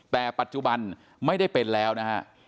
แต่ปัจจุบันไม่ได้เป็นแล้วนะฮะ